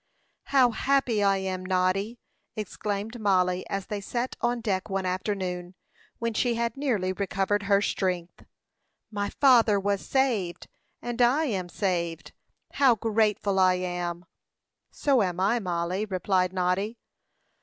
"How happy I am, Noddy!" exclaimed Mollie, as they sat on deck one afternoon, when she had nearly recovered her strength. "My father was saved, and I am saved. How grateful I am!" "So am I, Mollie," replied Noddy.